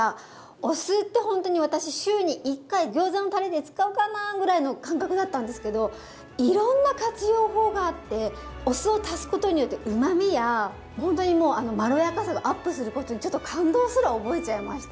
お酢ってほんとに私週に１回ギョーザのタレで使うかなぐらいの感覚だったんですけどいろんな活用法があってお酢を足すことによってうまみやほんとにもうあのまろやかさがアップすることにちょっと感動すら覚えちゃいました！